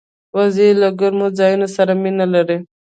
وزې له ګرمو ځایونو سره مینه لري